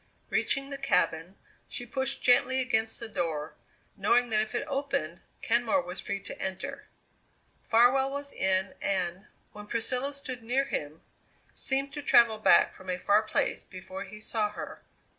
Reaching the cabin, she pushed gently against the door, knowing that if it opened, Kenmore was free to enter. Farwell was in and, when Priscilla stood near him, seemed to travel back from a far place before he saw her.